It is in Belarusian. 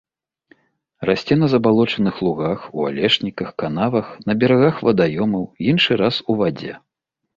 Расце на забалочаных лугах, у алешніках, канавах, на берагах вадаёмаў, іншы раз у вадзе.